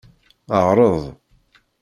Ɛreḍ.